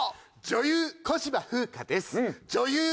女優小芝風花です。